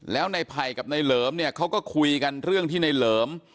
แล้วในไผ่กับในเหลิมเนี่ยเขาก็คุยกันเรื่องที่ในเหลิม